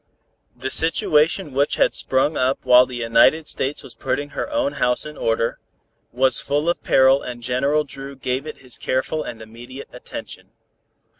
The situation which had sprung up while the United States was putting her own house in order, was full of peril and General Dru gave it his careful and immediate attention.